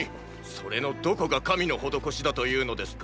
それのどこが神の施しだというのですか。